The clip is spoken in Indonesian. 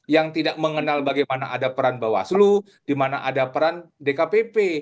yang tidak mengenal bagaimana ada peran bawaslu di mana ada peran dkpp